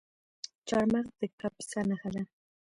چهارمغز د کاپیسا نښه ده.